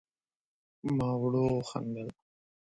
ما ورو وخندل